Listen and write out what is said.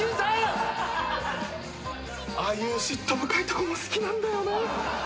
ああいう嫉妬深いとこも好きなんだよね。